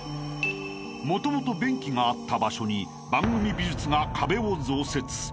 ［もともと便器があった場所に番組美術が］